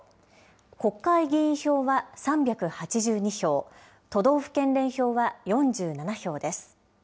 国会議員票は３８２票、都道府県連票は４７票です。